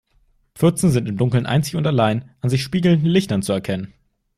Pfützen sind im Dunkeln einzig und allein an sich spiegelnden Lichtern zu erkennen.